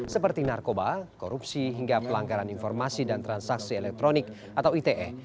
seperti narkoba korupsi hingga pelanggaran informasi dan transaksi elektronik atau ite